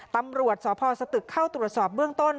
ตำรวจสพสตึกเข้าตรวจสอบเบื้องต้น